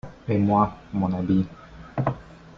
Et moi, mon habit…